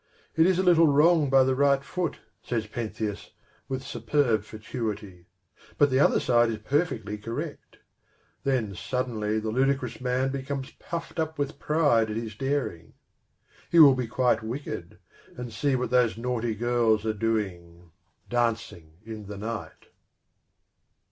" It is a little wrong by the right foot," says Pentheus, with superb fatuity ;" but the other side is perfectly correct." Then suddenly the ludicrous man becomes puffed up with pride at his daring. He will be quite wicked, and see what those naughty girls are doing, dancing in the night.